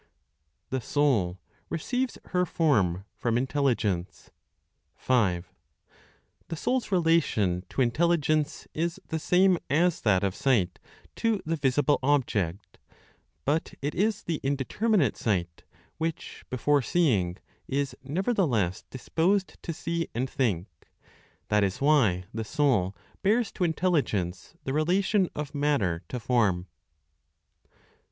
THE SOUL RECEIVES HER FORM FROM INTELLIGENCE. 5. The soul's relation to intelligence is the same as that of sight to the visible object; but it is the indeterminate sight which, before seeing, is nevertheless disposed to see and think; that is why the soul bears to intelligence the relation of matter to form.